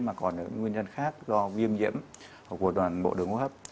mà còn là nguyên nhân khác do viêm nhiễm của toàn bộ đường hô hấp